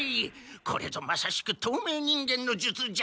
これぞまさしく透明人間の術じゃ。